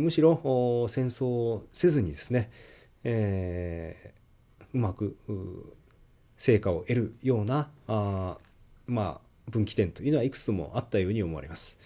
むしろ戦争をせずにうまく成果を得るような分岐点というのはいくつもあったように思われます。